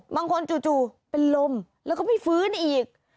จู่เป็นลมแล้วก็ไม่ฟื้นอีก